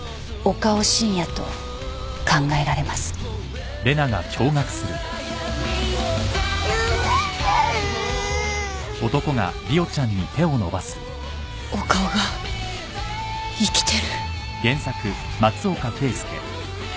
岡尾が生きてる？